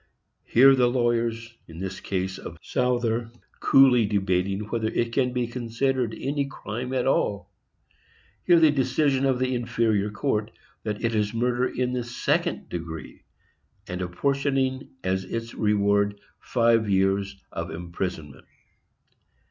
Hear the lawyers, in this case of Souther, coolly debating whether it can be considered any crime at all. Hear the decision of the inferior court, that it is murder in the second degree, and apportioning as its reward five years of imprisonment.